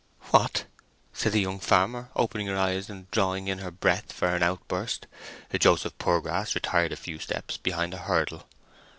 "What!" said the young farmer, opening her eyes and drawing in her breath for an outburst. Joseph Poorgrass retired a few steps behind a hurdle.